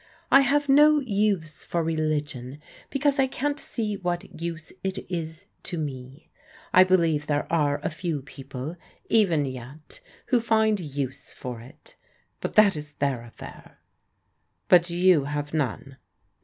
I have no use for religion be cause I can't see what use it is to me. I believe there are a few people, even yet, who find use for it. But that is their affair." " But you have none?